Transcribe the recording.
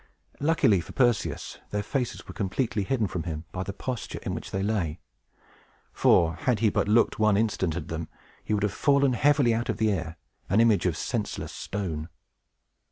Luckily for Perseus, their faces were completely hidden from him by the posture in which they lay; for, had he but looked one instant at them, he would have fallen heavily out of the air, an image of senseless stone.